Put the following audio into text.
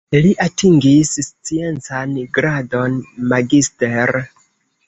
Li atingis sciencan gradon "magister".